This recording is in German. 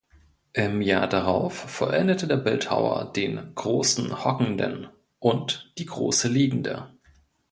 Im Jahr darauf vollendete der Bildhauer den „Großen Hockenden“ und die „Große Liegende“.